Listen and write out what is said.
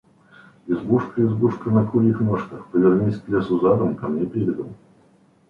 Избушка, избушка на курьих ножках: повернись к лесу задом, ко мне передом!